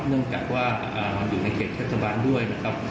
เนื่องจากว่าอยู่ในเขตเทศบาลด้วยนะครับ